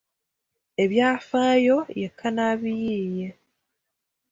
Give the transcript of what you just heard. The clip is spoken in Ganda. Ebyafaayo ye kannabiyiiye